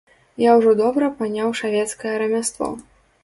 Я ўжо добра паняў шавецкае рамяство.